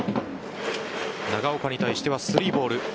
長岡に対しては３ボール。